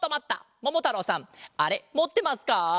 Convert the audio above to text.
ももたろうさんあれもってますか？